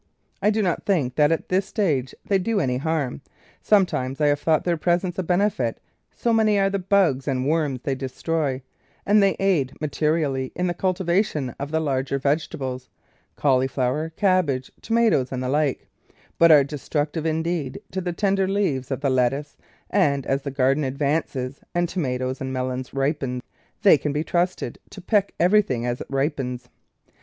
I do not think that at this stage they do any harm ; sometimes I have thought their presence a benefit, so many are the bugs and worms they destroy, and they aid materially in the cultivation of the larger vegetables — cauli THE VEGETABLE GARDEN flowers, cabbage, tomatoes, and the like — but are destructive, indeed, to the tender leaves of the lettuce, and as the garden advances and tomatoes and melons ripen, they can be trusted to peck everything as it ripens.